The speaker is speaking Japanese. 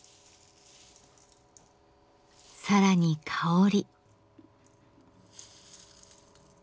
更に香り。